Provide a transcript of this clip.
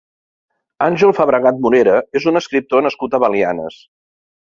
Àngel Fabregat Morera és un escriptor nascut a Belianes.